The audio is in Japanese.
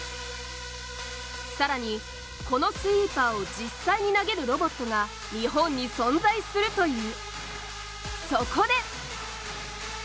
更に、このスイーパーを実際に投げるロボットが日本に存在するという。